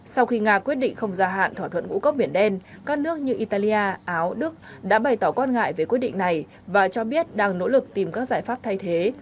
sau khi nga quyết định không gia hạn thỏa thuận ngũ cốc biển đen các nước như italia áo đức đã bày tỏ quan ngại về quyết định này và cho biết đang nỗ lực tìm các giải pháp thay thế